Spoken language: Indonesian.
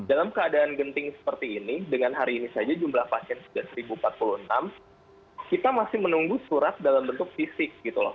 dalam keadaan genting seperti ini dengan hari ini saja jumlah pasien sudah seribu empat puluh enam kita masih menunggu surat dalam bentuk fisik gitu loh